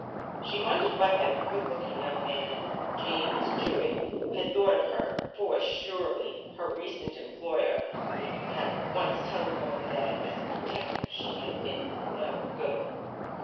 She wondered what that good looking young man, James Jewett, had thought of her, for, surely, her recent employer would have at once telephoned that as a detective she had been "no good."